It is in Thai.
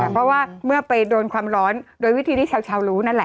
เพราะว่าเมื่อไปโดนความร้อนโดยวิธีที่ชาวรู้นั่นแหละ